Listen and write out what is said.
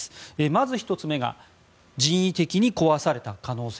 まず１つ目が人為的に壊された可能性。